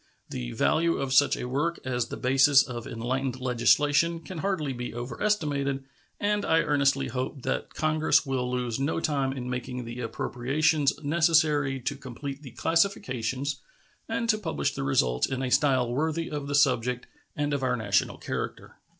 The value of such a work as the basis of enlightened legislation can hardly be overestimated, and I earnestly hope that Congress will lose no time in making the appropriations necessary to complete the classifications and to publish the results in a style worthy of the subject and of our national character.